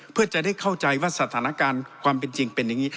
เพื่อจะได้เข้าใจว่าสถานการณ์ความเป็นจริงเป็นอย่างนี้